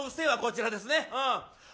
こちらですね。